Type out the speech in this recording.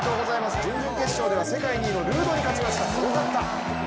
準々決勝では世界２位の選手に勝ちました。